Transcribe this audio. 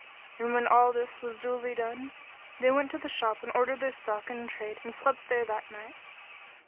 And when all this was duly done, they went to the shop and ordered their stock in trade and slept there that night.